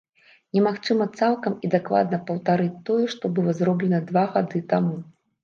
Немагчыма цалкам і дакладна паўтарыць тое, што было зроблена два гады таму.